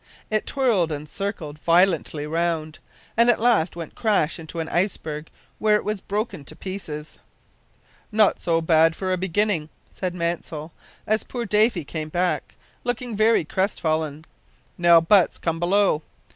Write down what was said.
It twirled and circled violently round, and at last went crash into an ice berg, where it was broken to pieces! "Not so bad for a beginning," said Mansell, as poor Davy came back, looking very crest fallen. "Now, Butts, come below.